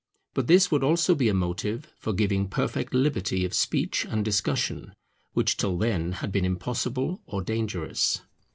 But this would also be a motive for giving perfect liberty of speech and discussion, which till then had been impossible or dangerous.